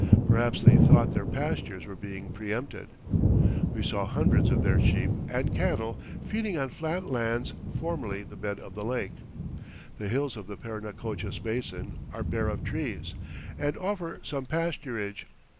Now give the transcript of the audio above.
Perhaps they thought their pastures were being preempted. We saw hundreds of their sheep and cattle feeding on flat lands formerly the bed of the lake. The hills of the Parinacochas Basin are bare of trees, and offer some pasturage.